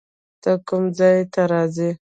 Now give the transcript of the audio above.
ته کوم ځای ته ځې؟